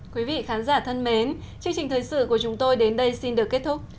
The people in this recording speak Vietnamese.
quý vị khán giả thân mến chương trình thời sự của chúng tôi đến đây xin được kết thúc